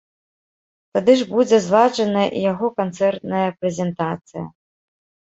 Тады ж будзе зладжаная і яго канцэртная прэзентацыя.